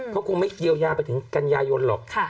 เขาคงไม่เยียวยาไปถึงกันยายนหรอก